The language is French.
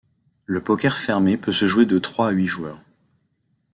Le poker fermé peut se jouer de trois à huit joueurs.